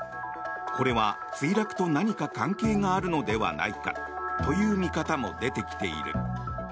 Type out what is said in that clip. これは墜落と何か関係があるのではないかという見方も出てきている。